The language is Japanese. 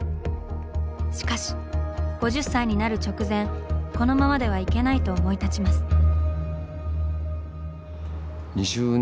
しかし５０歳になる直前このままではいけないと思い立ちます。